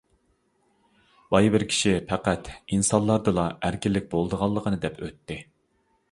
بايا بىر كىشى پەقەت ئىنسانلاردىلا ئەركىنلىك بولىدىغانلىقىنى دەپ ئۆتتى.